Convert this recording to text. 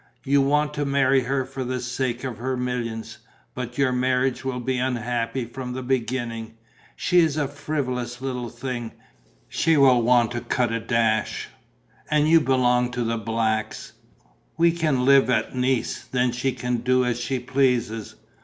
"You want to marry her for the sake of her millions. But your marriage will be unhappy from the beginning. She is a frivolous little thing; she will want to cut a dash ... and you belong to the Blacks." "We can live at Nice: then she can do as she pleases.